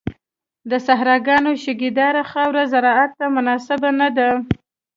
د صحراګانو شګهداره خاوره زراعت ته مناسبه نه ده.